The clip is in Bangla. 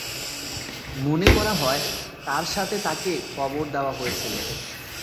মনে করা হয় তার সাথে তাকে কবর দেওয়া হয়েছিল।